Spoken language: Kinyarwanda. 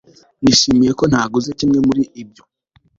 nishimiye ko ntaguze kimwe muri ibyo